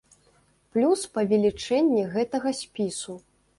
Плюс павелічэнне гэтага спісу.